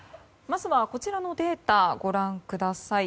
まずはこちらのデータご覧ください。